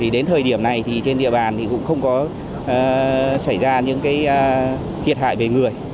đến thời điểm này trên địa bàn cũng không có xảy ra những thiệt hại về người